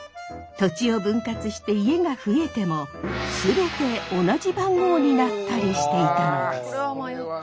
土地を分割して家が増えても全て同じ番号になったりしていたのです。